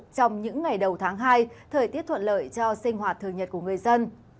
trong những ngày đầu tháng hai thời tiết thuận lợi cho sinh hoạt thường nhật của người dân